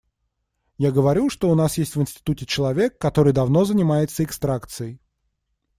Я говорю, что у нас есть в институте человек, который давно занимается экстракцией.